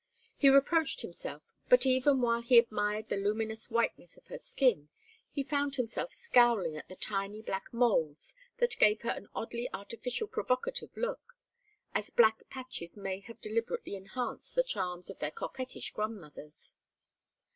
He reproached himself, but even while he admired the luminous whiteness of her skin he found himself scowling at the tiny black moles that gave her an oddly artificial provocative look, as black patches may have deliberately enhanced the charms of their coquettish grandmothers.